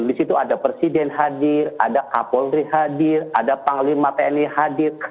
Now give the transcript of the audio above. di situ ada presiden hadir ada kapolri hadir ada panglima tni hadir